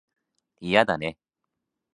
嫌だね